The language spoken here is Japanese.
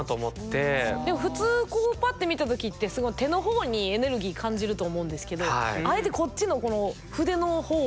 でも普通こうパッて見た時って手の方にエネルギー感じると思うんですけどあえてこっちのこの筆の方を。